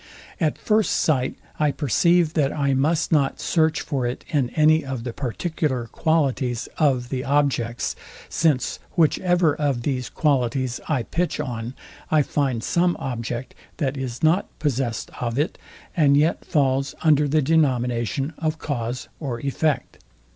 At first sight I perceive, that I must not search for it in any of the particular qualities of the objects; since which ever of these qualities I pitch on, I find some object, that is not possessed of it, and yet falls under the denomination of cause or effect.